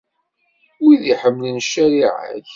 Wid iḥemmlen ccariɛa-k.